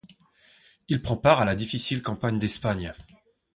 Il prend part à la difficile campagne d'Espagne.